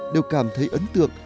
đều cảm thấy ấn tượng